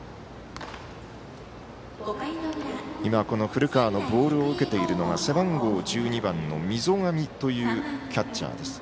古川のボールを受けているのが背番号１２番の溝上というキャッチャーです。